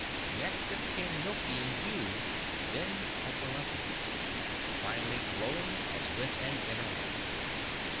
Next it became milky in hue, then opalescent, finally glowing as with an inner light.